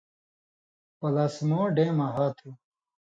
پلاسمُوڈیَماں ہا تُھو۔